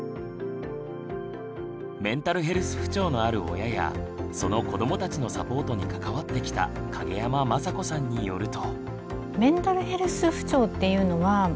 メンタルヘルス不調のある親やその子どもたちのサポートに関わってきた蔭山正子さんによると。